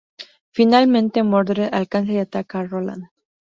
Finalmente, Mordred alcanza y ataca a Roland.